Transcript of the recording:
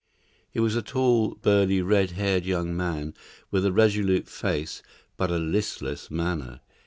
He was a tall, burly, red haired young man, with a resolute face but a listless manner.